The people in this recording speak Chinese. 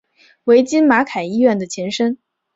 为今马偕医院的前身。